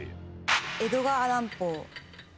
江戸川乱歩。